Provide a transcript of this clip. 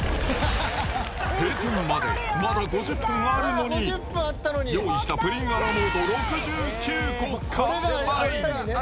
閉店までまだ５０分あるのに、用意したプリンアラモード６９個、完売。